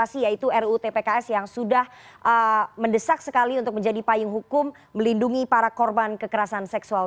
dan semoga itu bisa menghasilkan produk legislasi yaitu rutpks yang sudah mendesak sekali untuk menjadi payung hukum melindungi para korban kekerasan seksual